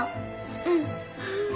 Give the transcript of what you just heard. うん。